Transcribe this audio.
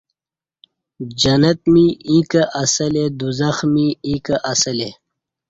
جنت می ییں کہ اسہ لے دوزخ می ییں کہ اسہ لے